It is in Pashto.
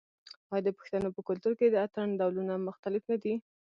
آیا د پښتنو په کلتور کې د اتن ډولونه مختلف نه دي؟